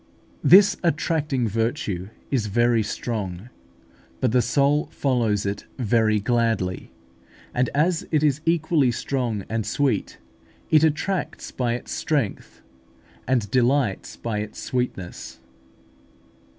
This attracting virtue is very strong but the soul follows it very gladly; and as it is equally strong and sweet, it attracts by its strength and delights by its sweetness.